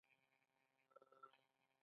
ملګری د باور فضا رامنځته کوي